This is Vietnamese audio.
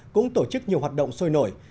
cũng tổ chức nhiều hoạt động sôi nổi